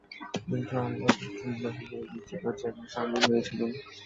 কিন্তু আল্লাহ শত্রু মুনাফিক হয়ে গিয়েছিল, যেমনি সামিরী হয়েছিল।